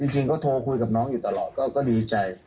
จริงก็โทรคุยกับน้องอยู่ตลอดก็ดีใจ